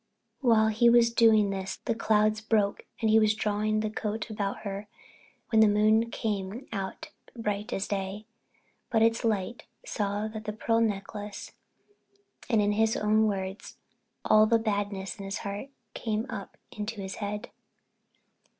While he was doing this the clouds broke and he was drawing the coat about her when the moon came out bright as day. By its light he saw the pearl necklace and in his own words, "All the badness in his heart came up into his head."